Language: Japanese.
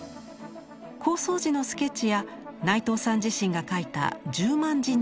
構想時のスケッチや内藤さん自身が書いた１０万字に及ぶ解説。